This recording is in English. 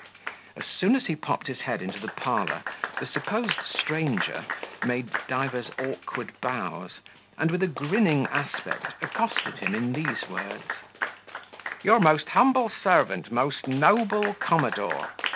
As soon as he popped his head into the parlour, the supposed stranger made divers awkward bows, and with a grinning aspect accosted him in these words: "Your most humble servant, most noble commodore!